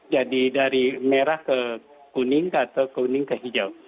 jadi dari merah ke kuning atau kuning ke hijau